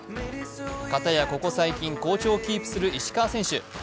かたやここ最近、好調をキープする石川選手。